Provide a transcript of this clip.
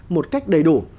một cách đầy đủ